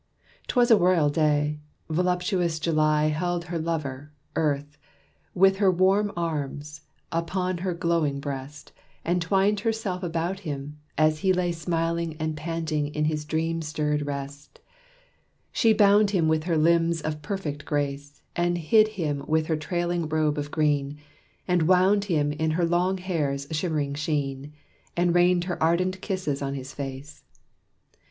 'T was a royal day: Voluptuous July held her lover, Earth, With her warm arms, upon her glowing breast, And twined herself about him, as he lay Smiling and panting in his dream stirred rest. She bound him with her limbs of perfect grace, And hid him with her trailing robe of green, And wound him in her long hair's shimmering sheen, And rained her ardent kisses on his face.